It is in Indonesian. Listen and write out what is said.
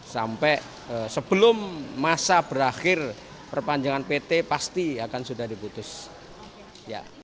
sampai sebelum masa berakhir perpanjangan pt pasti akan sudah diputus